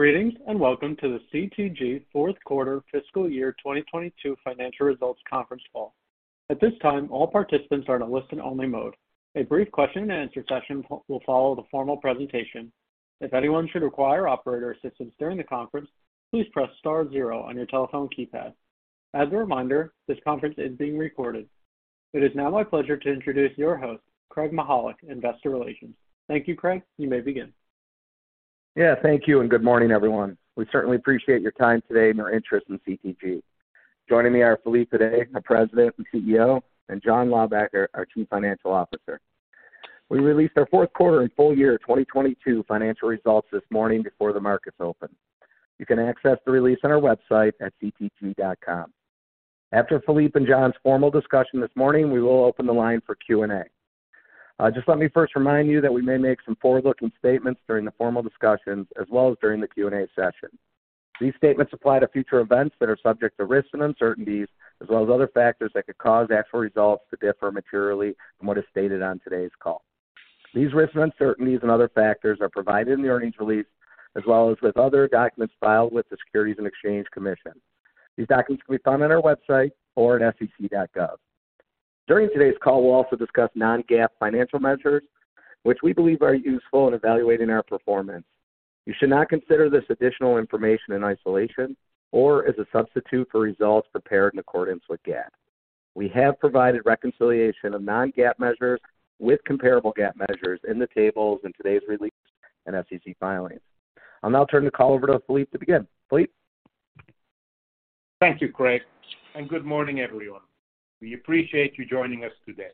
Greetings, welcome to the CTG Fourth Quarter Fiscal Year 2022 financial results conference call. At this time, all participants are in a listen-only mode. A brief question and answer session will follow the formal presentation. If anyone should require operator assistance during the conference, please press star zero on your telephone keypad. As a reminder, this conference is being recorded. It is now my pleasure to introduce your host, Craig Mychajluk, Investor Relations. Thank you, Craig. You may begin. Yeah. Thank you, and good morning, everyone. We certainly appreciate your time today and your interest in CTG. Joining me are Filip Gydé, our President and CEO, and John Laubacker, our Chief Financial Officer. We released our fourth quarter and full year 2022 financial results this morning before the markets opened. You can access the release on our website at ctg.com. After Filip and John's formal discussion this morning, we will open the line for Q&A. Just let me first remind you that we may make some forward-looking statements during the formal discussions as well as during the Q&A session. These statements apply to future events that are subject to risks and uncertainties as well as other factors that could cause actual results to differ materially from what is stated on today's call. These risks and uncertainties and other factors are provided in the earnings release as well as with other documents filed with the Securities and Exchange Commission. These documents can be found on our website or at sec.gov. During today's call, we'll also discuss non-GAAP financial measures which we believe are useful in evaluating our performance. You should not consider this additional information in isolation or as a substitute for results prepared in accordance with GAAP. We have provided reconciliation of non-GAAP measures with comparable GAAP measures in the tables in today's release and SEC filings. I'll now turn the call over to Filip to begin. Filip? Thank you, Craig. Good morning, everyone. We appreciate you joining us today.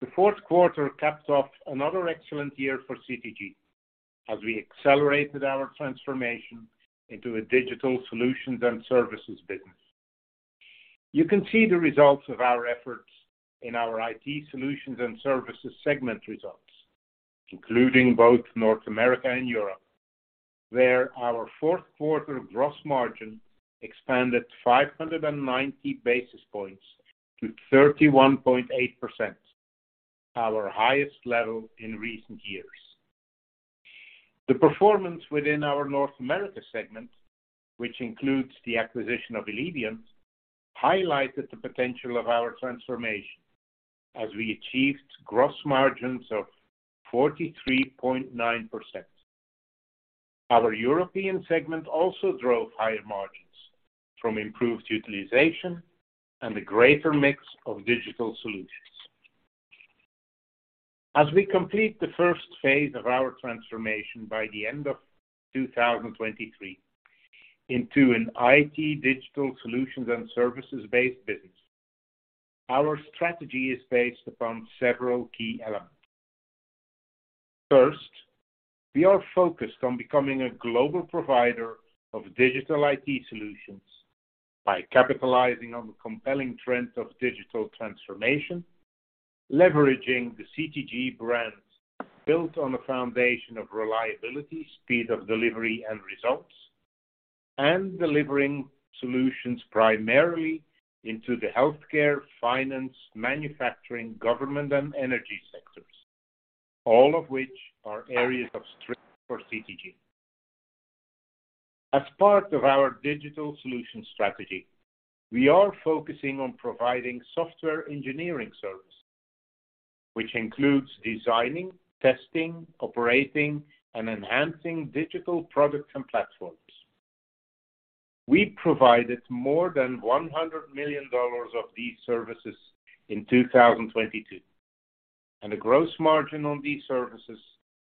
The fourth quarter caps off another excellent year for CTG as we accelerated our transformation into a digital solutions and services business. You can see the results of our efforts in our IT Solutions and Services segment results, including both North America and Europe, where our fourth quarter gross margin expanded 590 basis points to 31.8%, our highest level in recent years. The performance within our North America segment, which includes the acquisition of Eleviant, highlighted the potential of our transformation as we achieved gross margins of 43.9%. Our European segment also drove higher margins from improved utilization and a greater mix of digital solutions. As we complete the first phase of our transformation by the end of 2023 into an IT digital solutions and services-based business, our strategy is based upon several key elements. First, we are focused on becoming a global provider of digital IT solutions by capitalizing on the compelling trend of digital transformation, leveraging the CTG brands built on a foundation of reliability, speed of delivery and results, and delivering solutions primarily into the healthcare, finance, manufacturing, government and energy sectors, all of which are areas of strength for CTG. As part of our digital solution strategy, we are focusing on providing software engineering services, which includes designing, testing, operating, and enhancing digital products and platforms. We provided more than $100 million of these services in 2022, and the gross margin on these services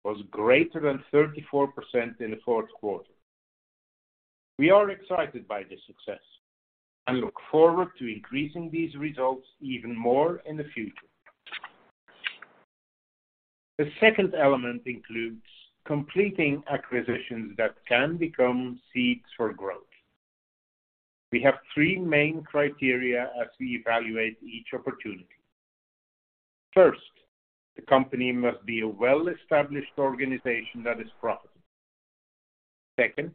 was greater than 34% in the fourth quarter. We are excited by this success and look forward to increasing these results even more in the future. The second element includes completing acquisitions that can become seeds for growth. We have three main criteria as we evaluate each opportunity. First, the company must be a well-established organization that is profitable. Second,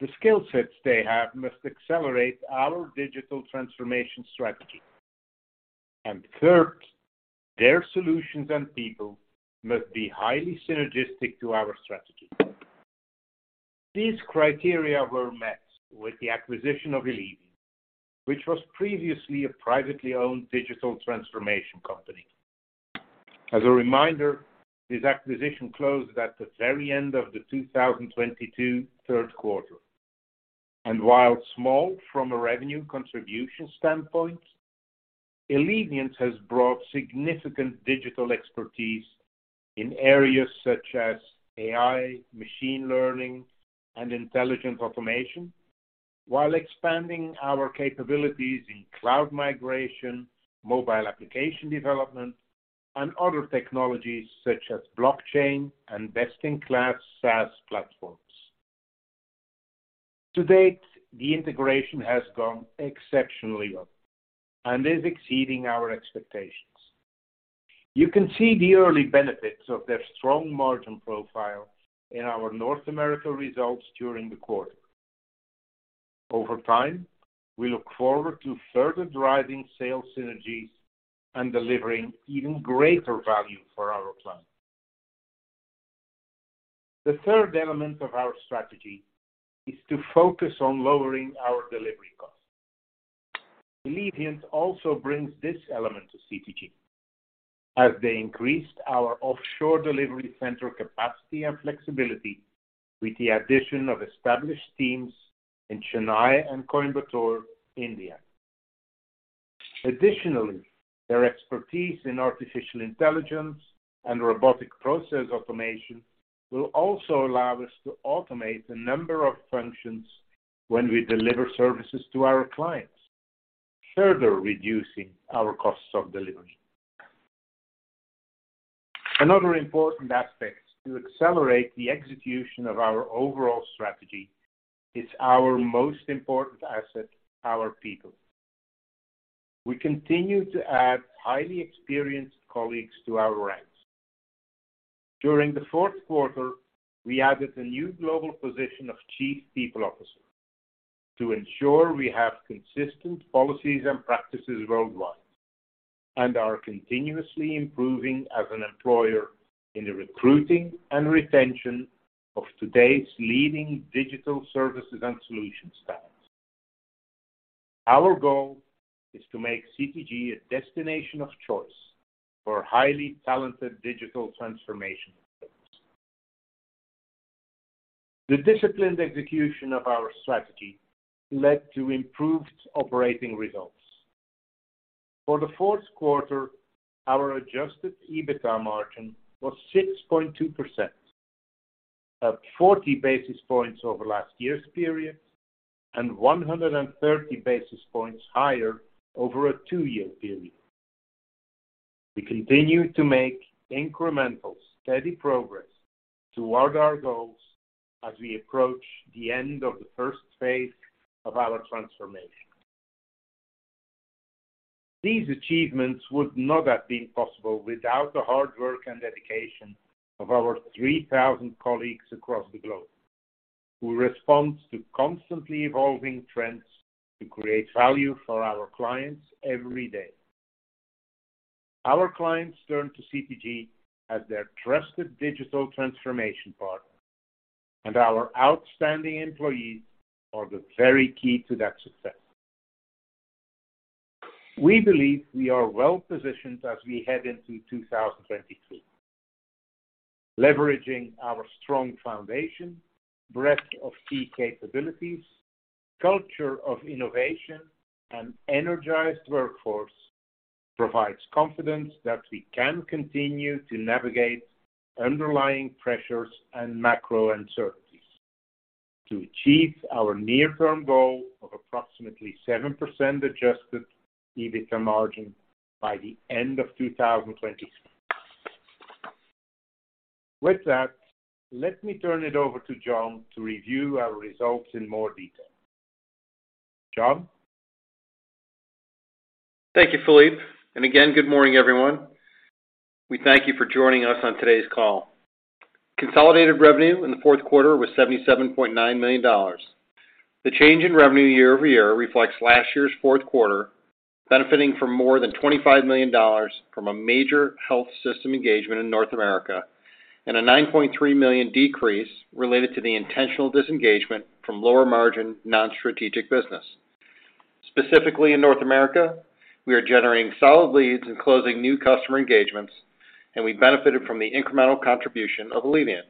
the skill sets they have must accelerate our digital transformation strategy. Third, their solutions and people must be highly synergistic to our strategy. These criteria were met with the acquisition of Eleviant, which was previously a privately owned digital transformation company. As a reminder, this acquisition closed at the very end of the 2022 third quarter. While small from a revenue contribution standpoint, Eleviant has brought significant digital expertise in areas such as AI, machine learning, and intelligent automation, while expanding our capabilities in cloud migration, mobile application development, and other technologies such as blockchain and best-in-class SaaS platforms. To date, the integration has gone exceptionally well and is exceeding our expectations. You can see the early benefits of their strong margin profile in our North America results during the quarter. Over time, we look forward to further driving sales synergies and delivering even greater value for our clients. The third element of our strategy is to focus on lowering our delivery costs. Eleviant also brings this element to CTG as they increased our offshore delivery center capacity and flexibility with the addition of established teams in Chennai and Coimbatore, India. Additionally, their expertise in artificial intelligence and robotic process automation will also allow us to automate a number of functions when we deliver services to our clients, further reducing our costs of delivery. Another important aspect to accelerate the execution of our overall strategy is our most important asset, our people. We continue to add highly experienced colleagues to our ranks. During the fourth quarter, we added a new global position of Chief People Officer to ensure we have consistent policies and practices worldwide, and are continuously improving as an employer in the recruiting and retention of today's leading digital services and solutions talent. Our goal is to make CTG a destination of choice for highly talented digital transformation experts. The disciplined execution of our strategy led to improved operating results. For the fourth quarter, our adjusted EBITDA margin was 6.2%, up 40 basis points over last year's period and 130 basis points higher over a two-year period. We continue to make incremental, steady progress toward our goals as we approach the end of the first phase of our transformation. These achievements would not have been possible without the hard work and dedication of our 3,000 colleagues across the globe who respond to constantly evolving trends to create value for our clients every day. Our clients turn to CTG as their trusted digital transformation partner, and our outstanding employees are the very key to that success. We believe we are well positioned as we head into 2022. Leveraging our strong foundation, breadth of key capabilities, culture of innovation, and energized workforce provides confidence that we can continue to navigate underlying pressures and macro uncertainties to achieve our near-term goal of approximately 7% adjusted EBITDA margin by the end of 2022. With that, let me turn it over to John to review our results in more detail. John? Thank you, Filip. Again, good morning, everyone. We thank you for joining us on today's call. Consolidated revenue in the fourth quarter was $77.9 million. The change in revenue year-over-year reflects last year's fourth quarter benefiting from more than $25 million from a major health system engagement in North America and a $9.3 million decrease related to the intentional disengagement from lower margin non-strategic business. Specifically in North America, we are generating solid leads and closing new customer engagements, and we benefited from the incremental contribution of Eleviant.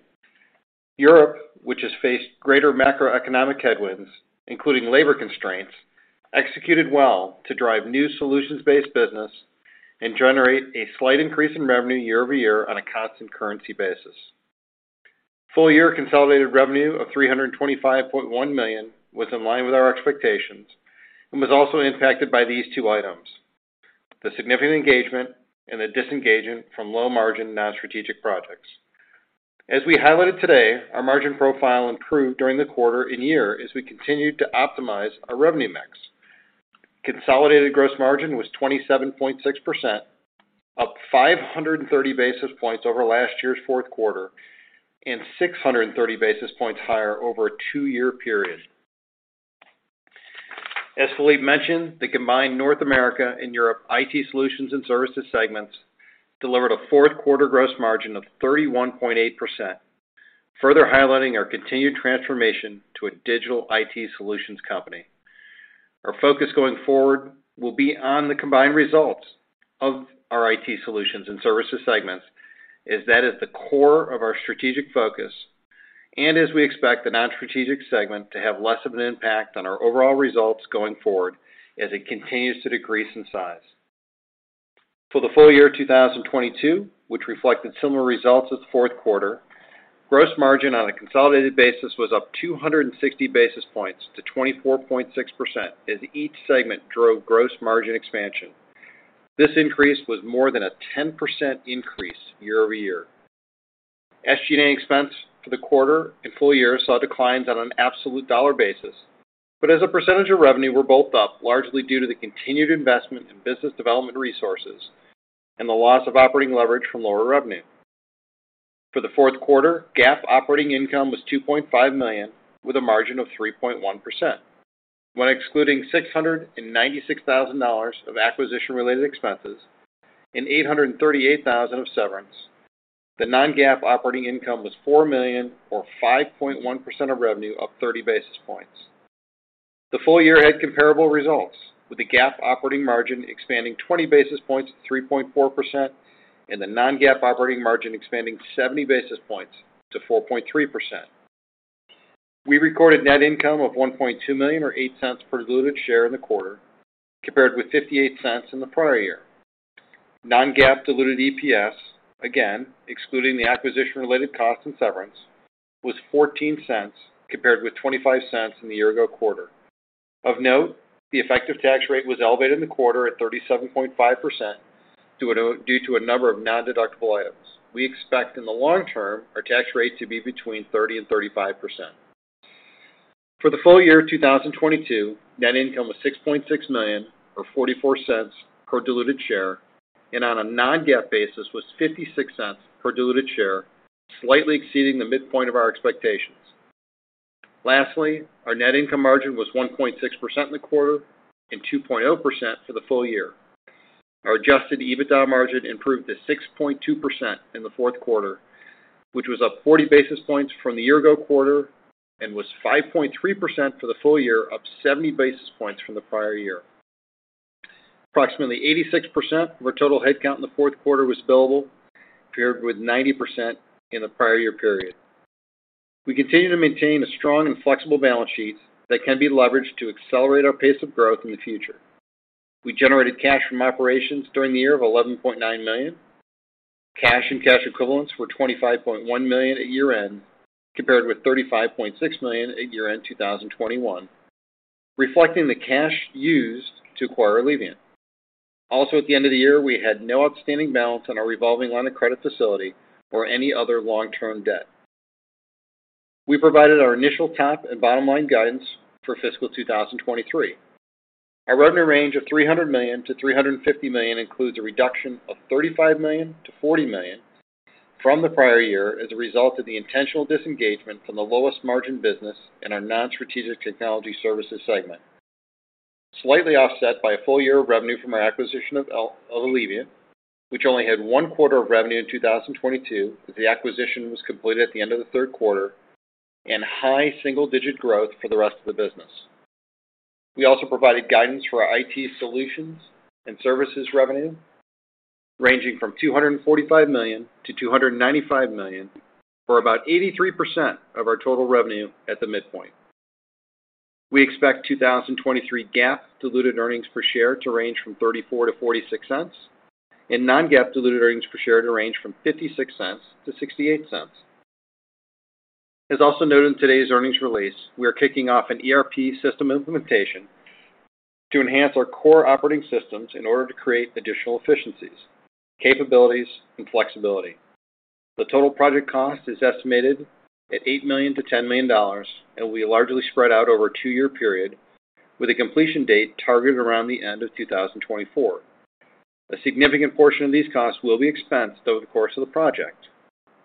Europe, which has faced greater macroeconomic headwinds, including labor constraints, executed well to drive new solutions-based business and generate a slight increase in revenue year-over-year on a constant currency basis. Full year consolidated revenue of $325.1 million was in line with our expectations and was also impacted by these two items, the significant engagement and the disengagement from low-margin non-strategic projects. As we highlighted today, our margin profile improved during the quarter and year as we continued to optimize our revenue mix. Consolidated gross margin was 27.6%, up 530 basis points over last year's fourth quarter, and 630 basis points higher over a two-year period. As Filip mentioned, the combined North America and Europe IT Solutions and Services segments delivered a fourth quarter gross margin of 31.8%, further highlighting our continued transformation to a digital IT solutions company. Our focus going forward will be on the combined results of our IT Solutions and Services segments, as that is the core of our strategic focus, and as we expect the non-strategic segment to have less of an impact on our overall results going forward as it continues to decrease in size. For the full year 2022, which reflected similar results as the fourth quarter, gross margin on a consolidated basis was up 260 basis points to 24.6% as each segment drove gross margin expansion. This increase was more than a 10% increase year-over-year. SG&A expense for the quarter and full year saw declines on an absolute dollar basis. As a percentage of revenue were both up, largely due to the continued investment in business development resources and the loss of operating leverage from lower revenue. For the fourth quarter, GAAP operating income was $2.5 million, with a margin of 3.1%. When excluding $696,000 of acquisition-related expenses and $838,000 of severance, the non-GAAP operating income was $4 million, or 5.1% of revenue up 30 basis points. The full year had comparable results, with the GAAP operating margin expanding 20 basis points to 3.4% and the non-GAAP operating margin expanding 70 basis points to 4.3%. We recorded net income of $1.2 million, or $0.08 per diluted share in the quarter, compared with $0.58 in the prior year. Non-GAAP diluted EPS, again, excluding the acquisition-related cost and severance, was $0.14 compared with $0.28 in the year-ago quarter. Of note, the effective tax rate was elevated in the quarter at 37.5% due to a number of non-deductible items. We expect in the long term our tax rate to be between 30% and 35%. For the full year 2022, net income was $6.6 million, or $0.44 per diluted share, and on a non-GAAP basis was $0.56 per diluted share, slightly exceeding the midpoint of our expectations. Lastly, our net income margin was 1.6% in the quarter and 2.0% for the full year. Our adjusted EBITDA margin improved to 6.2% in the fourth quarter, which was up 40 basis points from the year ago quarter and was 5.3% for the full year, up 70 basis points from the prior year. Approximately 86% of our total headcount in the fourth quarter was billable, paired with 90% in the prior year period. We continue to maintain a strong and flexible balance sheet that can be leveraged to accelerate our pace of growth in the future. We generated cash from operations during the year of $11.9 million. Cash and cash equivalents were $25.1 million at year-end, compared with $35.6 million at year-end 2021, reflecting the cash used to acquire Eleviant. Also, at the end of the year, we had no outstanding balance on our revolving line of credit facility or any other long-term debt. We provided our initial top and bottom line guidance for fiscal 2023. Our revenue range of $300 million-$350 million includes a reduction of $35 million-$40 million from the prior year as a result of the intentional disengagement from the lowest margin business in our Non-Strategic Technology Services segment. Slightly offset by a full year of revenue from our acquisition of Eleviant, which only had one quarter of revenue in 2022, as the acquisition was completed at the end of the third quarter, and high single-digit growth for the rest of the business. We also provided guidance for our IT Solutions and Services revenue ranging from $245 million to $295 million, for about 83% of our total revenue at the midpoint. We expect 2023 GAAP diluted earnings per share to range from $0.34-$0.46 and non-GAAP diluted earnings per share to range from $0.56-$0.68. As also noted in today's earnings release, we are kicking off an ERP system implementation to enhance our core operating systems in order to create additional efficiencies, capabilities, and flexibility. The total project cost is estimated at $8 million-$10 million and will be largely spread out over a two-year period with a completion date targeted around the end of 2024. A significant portion of these costs will be expensed over the course of the project.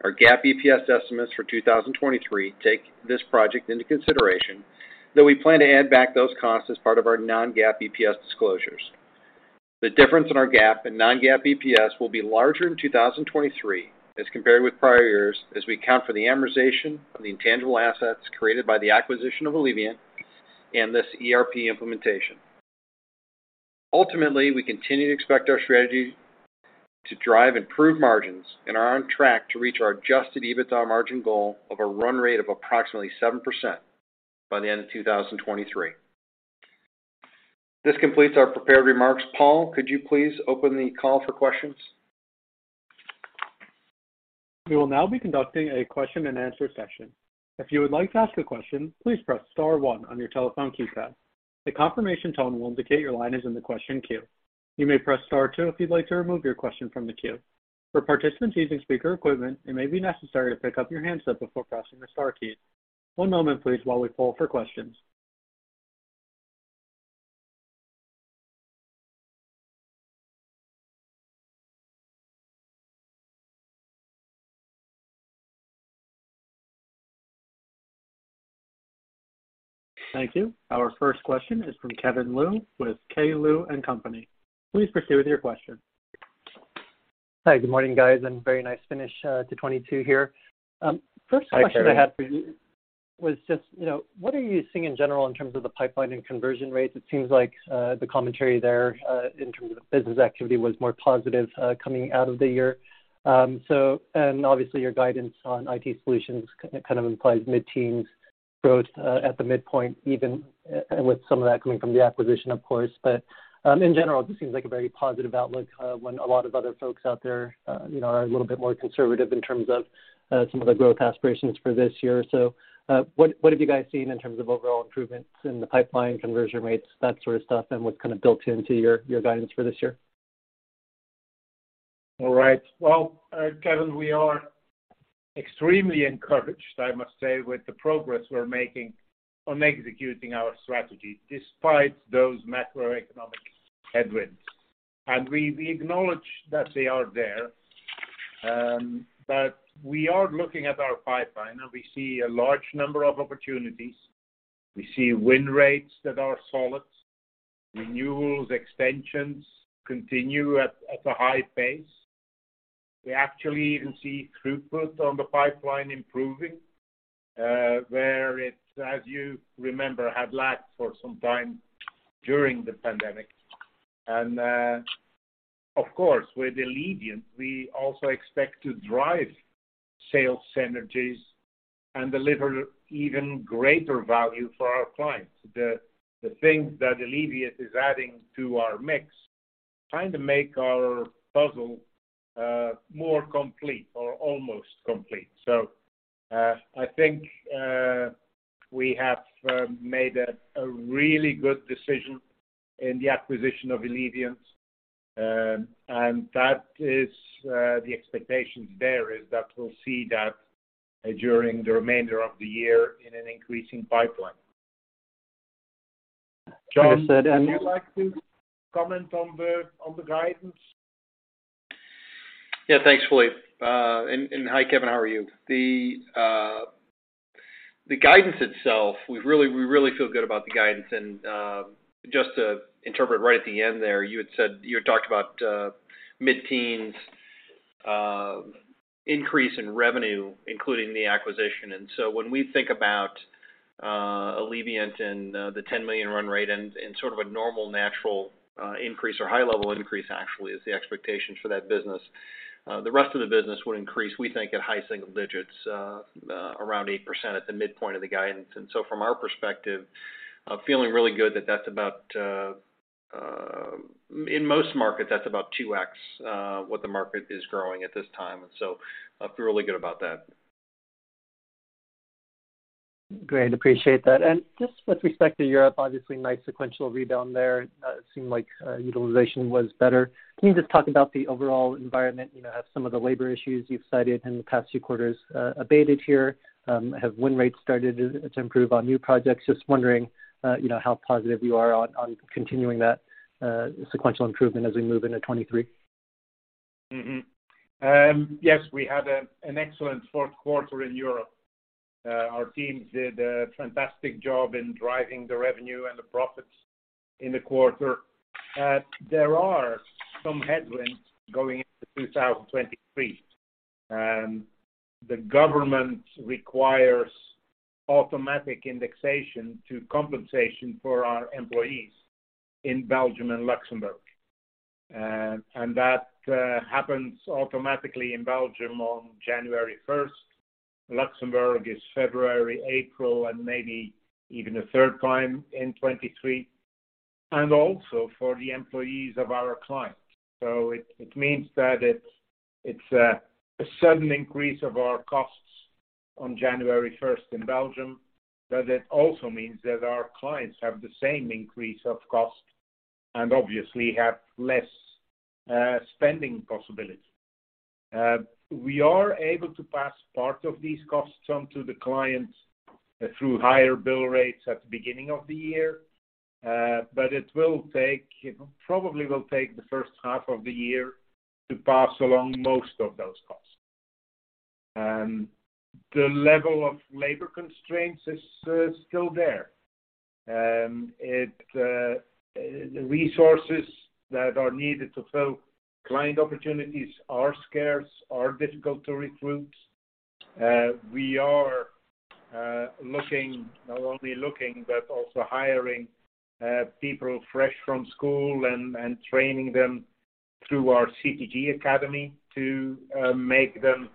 Our GAAP EPS estimates for 2023 take this project into consideration, though we plan to add back those costs as part of our non-GAAP EPS disclosures. The difference in our GAAP and non-GAAP EPS will be larger in 2023 as compared with prior years, as we account for the amortization of the intangible assets created by the acquisition of Eleviant and this ERP implementation. Ultimately, we continue to expect our strategy to drive improved margins and are on track to reach our adjusted EBITDA margin goal of a run rate of approximately 7% by the end of 2023. This completes our prepared remarks. Paul, could you please open the call for questions? We will now be conducting a question-and-answer session. If you would like to ask a question, please press star one on your telephone keypad. The confirmation tone will indicate your line is in the question queue. You may press star two if you'd like to remove your question from the queue. For participants using speaker equipment, it may be necessary to pick up your handset before pressing the star key. One moment please while we poll for questions. Thank you. Our first question is from Kevin Liu with K. Liu & Company. Please proceed with your question. Hi. Good morning, guys. Very nice finish to 22 here. First question. Hi, Kevin.... I had for you was just, you know, what are you seeing in general in terms of the pipeline and conversion rates? It seems like the commentary there, in terms of business activity was more positive, coming out of the year. Obviously, your guidance on IT Solutions kind of implies mid-teens growth at the midpoint, even with some of that coming from the acquisition, of course. In general, this seems like a very positive outlook when a lot of other folks out there, you know, are a little bit more conservative in terms of some of the growth aspirations for this year. What have you guys seen in terms of overall improvements in the pipeline, conversion rates, that sort of stuff, and what's kind of built into your guidance for this year? All right. Well, Kevin, we are extremely encouraged, I must say, with the progress we're making on executing our strategy despite those macroeconomic headwinds. We acknowledge that they are there. But we are looking at our pipeline, and we see a large number of opportunities. We see win rates that are solid. Renewals, extensions continue at a high pace. We actually even see throughput on the pipeline improving, where it, as you remember, had lacked for some time during the pandemic. Of course, with Eleviant, we also expect to drive sales synergies and deliver even greater value for our clients. The things that Eleviant is adding to our mix kind of make our puzzle, more complete or almost complete. I think we have made a really good decision in the acquisition of Eleviant. And that is, the expectations there is that we'll see that during the remainder of the year in an increasing pipeline. John, would you like to comment on the guidance? Yeah. Thanks, Filip. And hi, Kevin, how are you? The guidance itself, we really feel good about the guidance. Just to interpret right at the end there, you had talked about mid-teens increase in revenue, including the acquisition. When we think about Eleviant and the $10 million run rate and in sort of a normal natural increase or high level increase actually is the expectation for that business, the rest of the business would increase, we think at high single digits, around 8% at the midpoint of the guidance. From our perspective, I'm feeling really good that that's about in most markets, that's about 2x what the market is growing at this time. I feel really good about that. Great. Appreciate that. Just with respect to Europe, obviously nice sequential rebound there. It seemed like utilization was better. Can you just talk about the overall environment, you know, have some of the labor issues you've cited in the past few quarters abated here? Have win rates started to improve on new projects? Just wondering, you know, how positive you are on continuing that sequential improvement as we move into 23? Yes, we had an excellent fourth quarter in Europe. Our teams did a fantastic job in driving the revenue and the profits in the quarter. There are some headwinds going into 2023. The government requires automatic indexation to compensation for our employees in Belgium and Luxembourg. That happens automatically in Belgium on January 1st. Luxembourg is February, April, and maybe even a 3rd time in 2023, and also for the employees of our clients. It means that it's a sudden increase of our costs on January 1st in Belgium. It also means that our clients have the same increase of cost and obviously have less spending possibility. We are able to pass part of these costs on to the clients through higher bill rates at the beginning of the year, but it will take it probably will take the first half of the year to pass along most of those costs. The level of labor constraints is still there. The resources that are needed to fill client opportunities are scarce, are difficult to recruit. We are looking, not only looking, but also hiring people fresh from school and training them through our CTG Academy to make them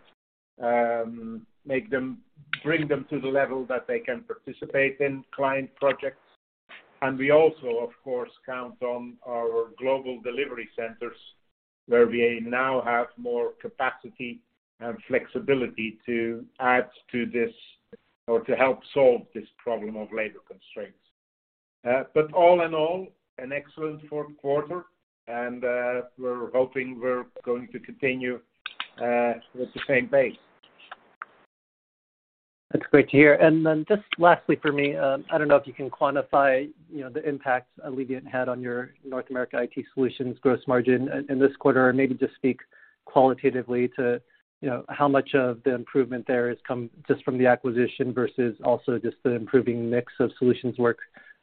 bring them to the level that they can participate in client projects. And we also, of course, count on our Global Delivery Centers, where we now have more capacity and flexibility to add to this or to help solve this problem of labor constraints. All in all, an excellent fourth quarter, and we're hoping we're going to continue with the same pace. That's great to hear. Just lastly for me, I don't know if you can quantify, you know, the impact Eleviant had on your North America IT Solutions gross margin in this quarter, or maybe just speak qualitatively to, you know, how much of the improvement there has come just from the acquisition versus also just the improving mix of solutions work,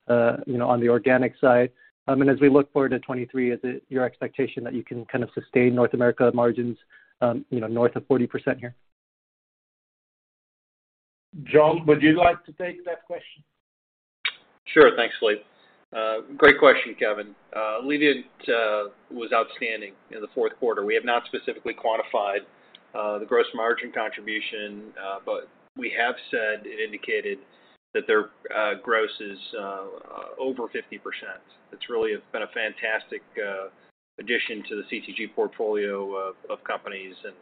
you know, on the organic side. As we look forward to 2023, is it your expectation that you can kind of sustain North America margins, you know, north of 40% here? John, would you like to take that question? Sure. Thanks, Filip. Great question, Kevin. Eleviant was outstanding in the fourth quarter. We have not specifically quantified the gross margin contribution, but we have said and indicated that their gross is over 50%. It's really been a fantastic addition to the CTG portfolio of companies, and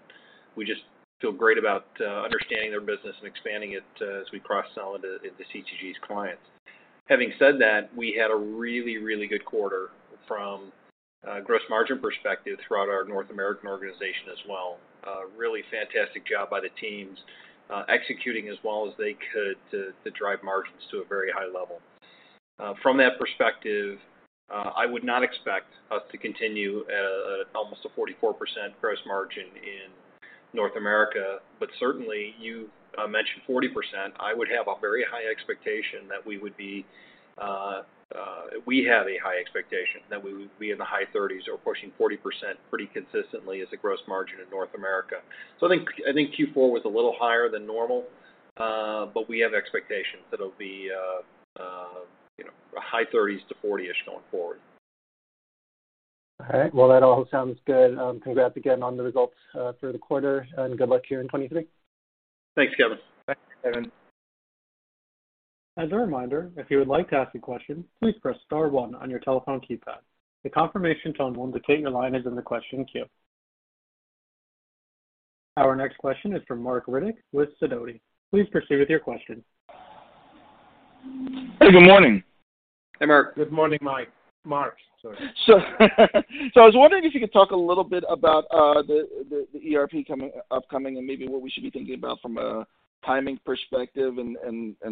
we just feel great about understanding their business and expanding it as we cross-sell into CTG's clients. Having said that, we had a really good quarter from a gross margin perspective throughout our North American organization as well. A really fantastic job by the teams executing as well as they could to drive margins to a very high level. From that perspective, I would not expect us to continue at almost a 44% gross margin in North America, but certainly you mentioned 40%. I would have a very high expectation that we would be, we have a high expectation that we would be in the high 30s or pushing 40% pretty consistently as a gross margin in North America. I think Q4 was a little higher than normal, but we have expectations that it'll be, you know, high 30s to 40-ish going forward. All right. Well, that all sounds good. Congrats again on the results for the quarter. Good luck here in 2023. Thanks, Kevin. Thanks, Kevin. As a reminder, if you would like to ask a question, please press star one on your telephone keypad. The confirmation tone will indicate your line is in the question queue. Our next question is from Marc Riddick with Sidoti. Please proceed with your question. Hey, good morning. Hey, Marc. Good morning, Mike. Mark, sorry. I was wondering if you could talk a little bit about the ERP coming, upcoming and maybe what we should be thinking about from a timing perspective and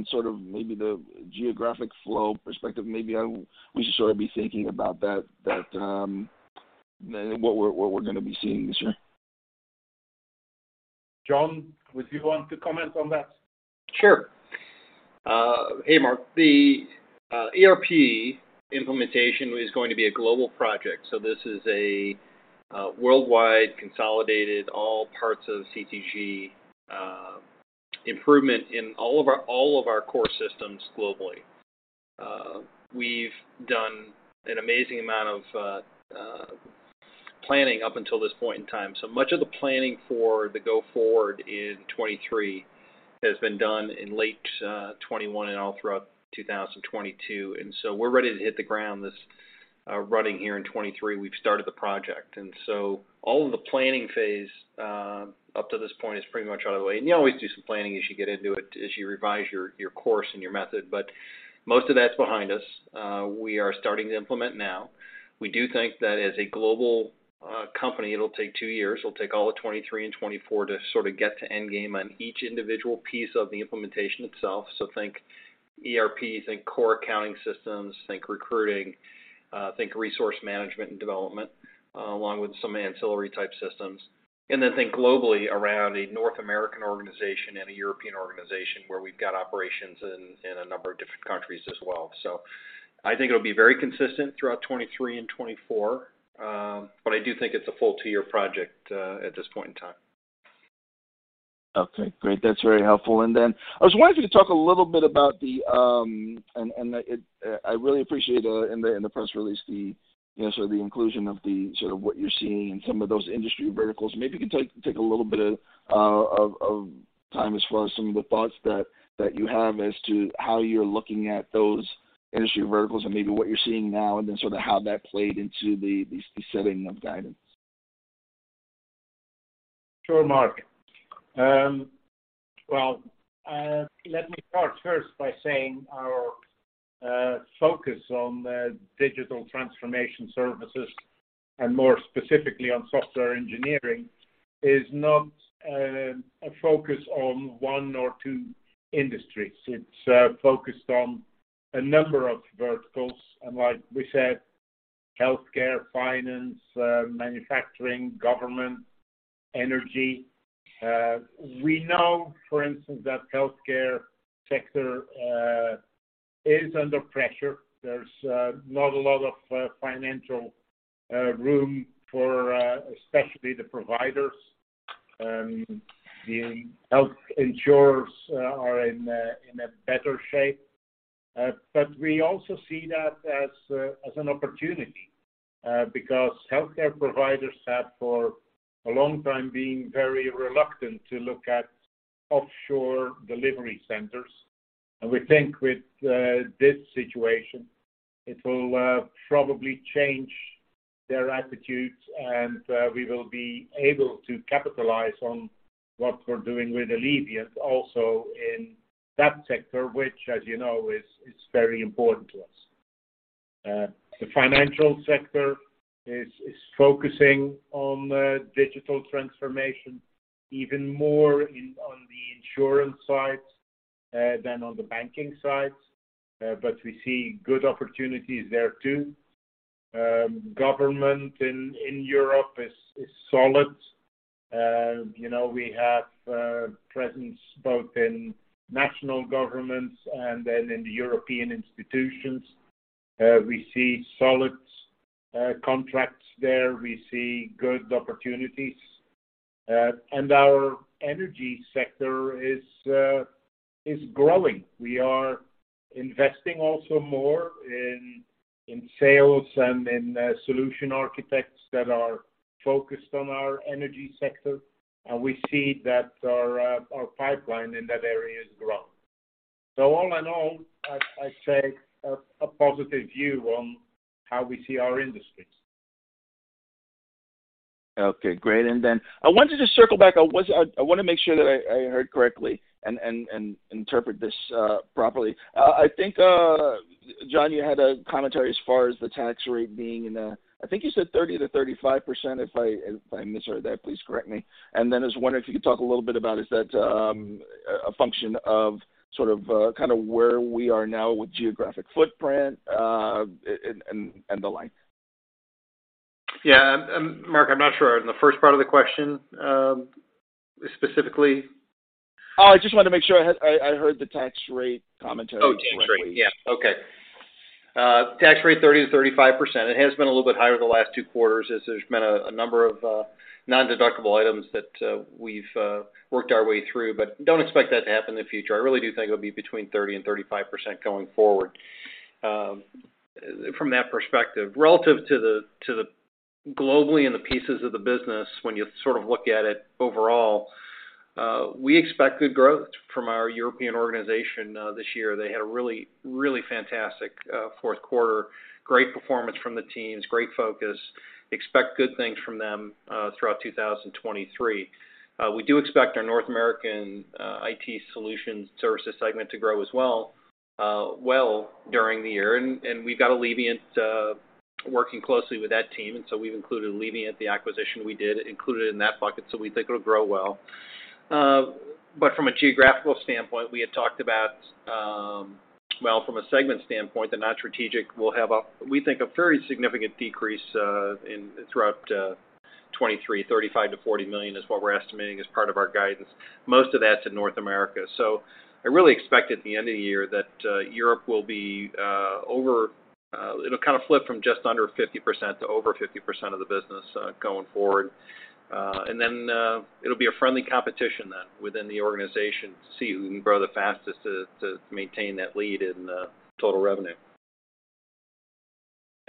sort of maybe the geographic flow perspective. Maybe how we should sort of be thinking about that, what we're going to be seeing this year. John, would you want to comment on that? Sure. Hey, Marc. The ERP implementation is going to be a global project. This is a worldwide consolidated all parts of CTG, improvement in all of our core systems globally. We've done an amazing amount of planning up until this point in time. Much of the planning for the go forward in 23 has been done in late 21 and all throughout 2022, we're ready to hit the ground. This running here in 23, we've started the project. All of the planning phase up to this point is pretty much out of the way. You always do some planning as you get into it, as you revise your course and your method, but most of that's behind us. We are starting to implement now. We do think that as a global, company, it'll take two years. It'll take all of 2023 and 2024 to sort of get to end game on each individual piece of the implementation itself. Think ERP, think core accounting systems, think recruiting, think resource management and development, along with some ancillary type systems. Think globally around a North American organization and a European organization where we've got operations in a number of different countries as well. I think it'll be very consistent throughout 2023 and 2024, but I do think it's a full 2-year project, at this point in time. Okay, great. That's very helpful. I was wondering if you could talk a little bit. I really appreciate in the press release the, you know, sort of the inclusion of the sort of what you're seeing in some of those industry verticals. You could take a little bit of time as far as some of the thoughts that you have as to how you're looking at those industry verticals and maybe what you're seeing now, and then sort of how that played into the setting of guidance. Sure, Marc. Well, let me start first by saying our focus on the digital transformation services and more specifically on software engineering is not a focus on one or two industries. It's focused on a number of verticals. Like we said, healthcare, finance, manufacturing, government, energy. We know, for instance, that healthcare sector is under pressure. There's not a lot of financial room for especially the providers. The health insurers are in a better shape. We also see that as an opportunity because healthcare providers have, for a long time, been very reluctant to look at offshore delivery centers. We think with this situation, it will probably change their attitudes, and we will be able to capitalize on what we're doing with Eleviant also in that sector, which, as you know, is very important to us. The financial sector is focusing on digital transformation even more in, on the insurance side, than on the banking side. We see good opportunities there too. Government in Europe is solid. You know, we have presence both in national governments and then in the European institutions. We see solid contracts there. We see good opportunities. Our energy sector is growing. We are investing also more in sales and in solution architects that are focused on our energy sector. We see that our pipeline in that area has grown. All in all, I take a positive view on how we see our industries. Okay, great. I wanted to circle back. I wanna make sure that I heard correctly and interpreted this properly. I think John, you had a commentary as far as the tax rate being in the... I think you said 30%-35%, if I misheard that, please correct me. I was wondering if you could talk a little bit about, is that a function of sort of kinda where we are now with geographic footprint and the like? Yeah, Marc, I'm not sure. On the first part of the question, specifically? Oh, I just wanted to make sure I heard the tax rate commentary correctly. Tax rate. Okay. Tax rate 30%-35%. It has been a little bit higher the last two quarters as there's been a number of non-deductible items that we've worked our way through. Don't expect that to happen in the future. I really do think it'll be between 30% and 35% going forward from that perspective. Relative to the globally in the pieces of the business when you sort of look at it overall, we expect good growth from our European organization this year. They had a really fantastic fourth quarter. Great performance from the teams, great focus. Expect good things from them throughout 2023. We do expect our North American IT Solutions and Services segment to grow as well, well during the year, and we've got Eleviant working closely with that team. We've included Eleviant, the acquisition we did, included in that bucket, so we think it'll grow well. From a geographical standpoint, we had talked about, well, from a segment standpoint, the Non-Strategic Technology Services will have a, we think, a very significant decrease throughout 2023. $35 million-$40 million is what we're estimating as part of our guidance. Most of that's in North America. I really expect at the end of the year that Europe will be over. It'll kind of flip from just under 50% to over 50% of the business going forward. It'll be a friendly competition then within the organization to see who can grow the fastest to maintain that lead in total revenue.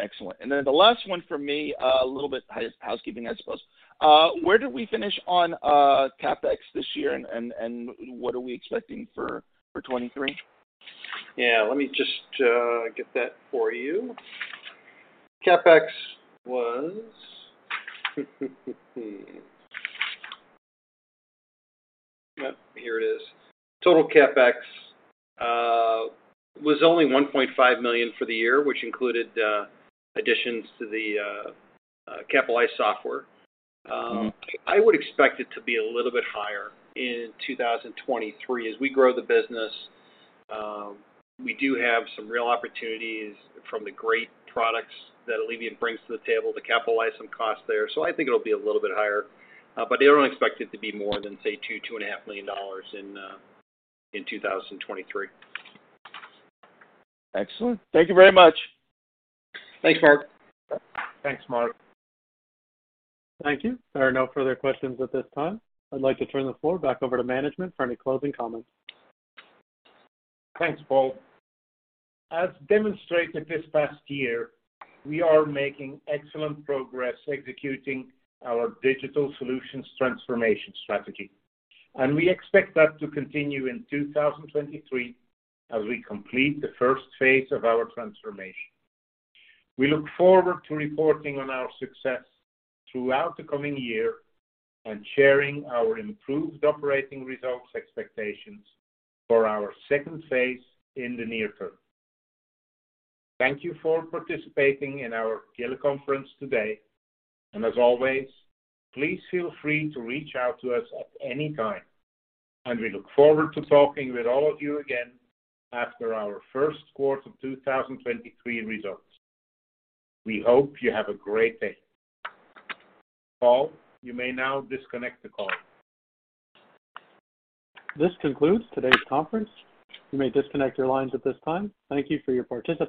Excellent. The last one for me, a little bit housekeeping, I suppose. Where did we finish on CapEx this year, and what are we expecting for 2023? Yeah. Let me just get that for you. CapEx was... Yep, here it is. Total CapEx was only $1.5 million for the year, which included additions to the capitalized software. I would expect it to be a little bit higher in 2023. As we grow the business, we do have some real opportunities from the great products that Eleviant brings to the table to capitalize some costs there. I think it'll be a little bit higher, but I don't expect it to be more than, say, $2 million-$2.5 million in 2023. Excellent. Thank you very much. Thanks, Marc. Thanks, Marc. Thank you. There are no further questions at this time. I'd like to turn the floor back over to management for any closing comments. Thanks, Paul. As demonstrated this past year, we are making excellent progress executing our digital solutions transformation strategy, and we expect that to continue in 2023 as we complete the first phase of our transformation. We look forward to reporting on our success throughout the coming year and sharing our improved operating results expectations for our second phase in the near term. Thank you for participating in our teleconference today, and as always, please feel free to reach out to us at any time, and we look forward to talking with all of you again after our first quarter 2023 results. We hope you have a great day. Paul, you may now disconnect the call. This concludes today's conference. You may disconnect your lines at this time. Thank you for your participation.